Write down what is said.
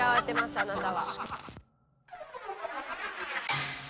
あなたは。